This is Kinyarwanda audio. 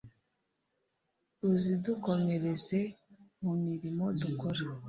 uzidukomereze mu mirimo dukora